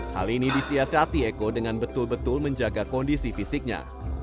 hal ini disiasati eko dengan betul betul menjaga kondisi fisiknya